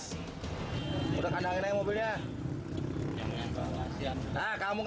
sudah kan angkutan umumnya